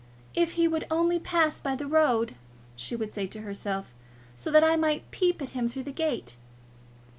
"If he would only pass by the road," she would say to herself, "so that I might peep at him through the gate!"